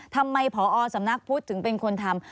ทำไมผอสำนักพุทธถึงเป็นคนทำ